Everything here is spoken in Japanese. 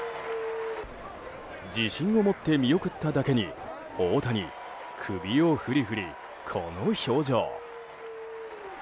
自信を持って見送っただけに大谷、首を振り振り、この表情。